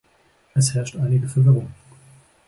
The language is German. Es herrscht einige Verwirrung.